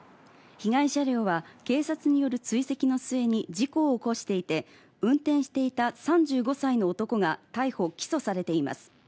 被害車両は警察による追跡の末に事故を起こしていて、運転していた３５歳の男が逮捕起訴されています。